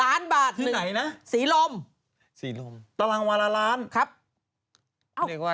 ๑ล้านบาทสีลมตารางวาลาล้ำครับ